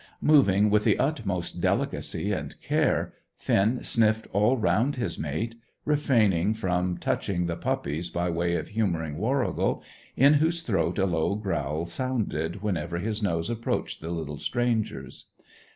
Moving with the utmost delicacy and care, Finn sniffed all round his mate, refraining from touching the puppies by way of humouring Warrigal, in whose throat a low growl sounded whenever his nose approached the little strangers.